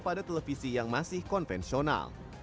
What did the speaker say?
pada televisi yang masih konvensional